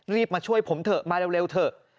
มาช่วยผมเถอะมาเร็วเถอะ